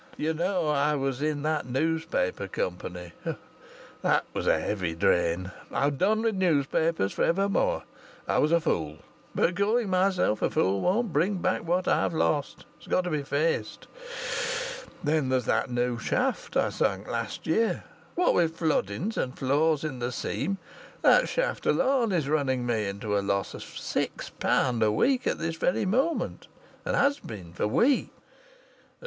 "You know I was in that newspaper company; that was a heavy drain; I've done with newspapers for ever more. I was a fool, but calling myself a fool won't bring back what I've lost. It's got to be faced. Then there's that new shaft I sunk last year. What with floodings, and flaws in the seam, that shaft alone is running me into a loss of six pound a week at this very moment, and has been for weeks."